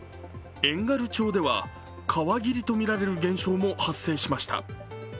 遠軽町では、川霧と見られる現象も発生しました。